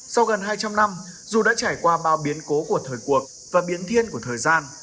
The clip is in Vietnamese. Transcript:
sau gần hai trăm linh năm dù đã trải qua bao biến cố của thời cuộc và biến thiên của thời gian